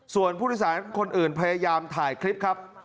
ส่วนผู้โดยสารคนอื่นพยายามถ่ายคลิปครับ